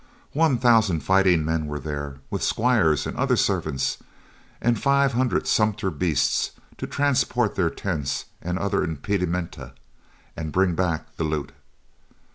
One thousand fighting men there were, with squires and other servants, and five hundred sumpter beasts to transport their tents and other impedimenta, and bring back the loot.